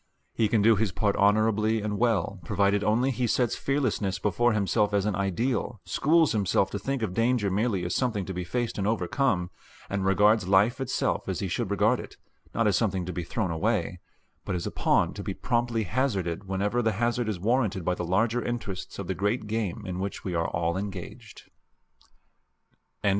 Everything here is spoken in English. He can do his part honorably and well provided only he sets fearlessness before himself as an ideal, schools himself to think of danger merely as something to be faced and overcome, and regards life itself as he should regard it, not as something to be thrown away, but as a pawn to be promptly hazarded whenever the hazard is warranted by the larger interests of the great game in which we are all engaged.